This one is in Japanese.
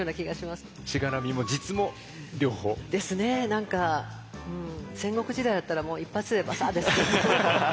何か戦国時代だったらもう一発でバサーッですけど。